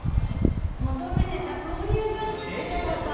求めてた豆乳がでちゃいました！